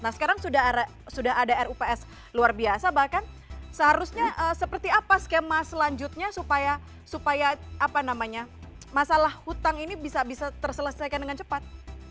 nah sekarang sudah ada rups luar biasa bahkan seharusnya seperti apa skema selanjutnya supaya masalah hutang ini bisa terselesaikan dengan cepat